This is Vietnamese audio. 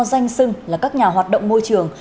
danh sưng là các nhà hoạt động môi trường